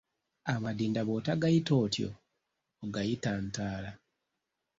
Amadinda bw'otagayita otyo ogayita Ntaala.